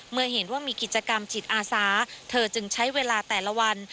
เมื่อเห็นว่ามีกิจกรรมจิตอาสาเธอจึงใช้เวลาแต่ละวัน